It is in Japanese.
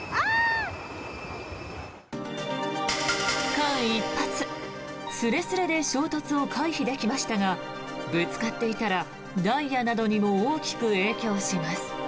間一髪、すれすれで衝突を回避できましたがぶつかっていたらダイヤなどにも大きく影響します。